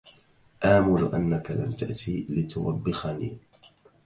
آمل أنّك لم تأتِ لتُوبِّخني.